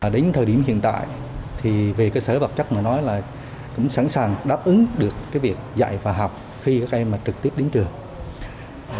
đến thời điểm hiện tại thì về cơ sở vật chất mà nói là cũng sẵn sàng đáp ứng được cái việc dạy và học khi các em mà trực tiếp đến trường